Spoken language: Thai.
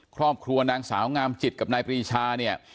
ครอบครัวนางสาวงามจิตกับนายปรีชาเนี่ย